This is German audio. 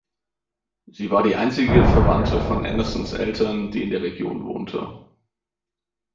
Sie war die einzige Verwandte von Andersens Eltern, die in der Region wohnte.